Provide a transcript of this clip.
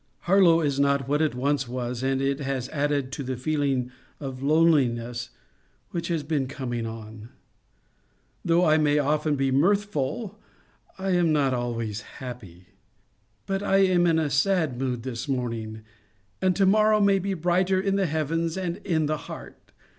Harlow is not what it once was, and it has added to the feeling of loneliness which haib been com ing on. Though I may often be mirthful, I am not always happy. But I am in a sad mood this morning, and to mor row may be brighter in the heavens and in the heart.